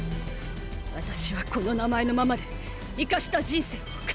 私はこの名前のままでイカした人生を送ってやる。